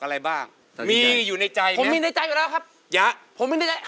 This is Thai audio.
อะไรบ้างมีอยู่ในใจผมมีในใจอยู่แล้วครับยะผมไม่ได้